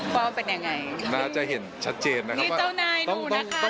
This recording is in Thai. ความเป็นยังไงน่าจะเห็นชัดเจนนะครับมีเจ้านายดูนะคะ